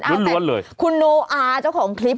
เอาแต่คุณโนอาเจ้าของคลิป